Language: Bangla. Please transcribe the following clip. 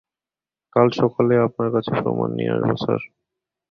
কাল সকালে আপনার কাছে প্রমাণ নিয়ে আসবো, স্যার।